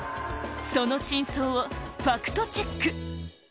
その真相をファクトチェック。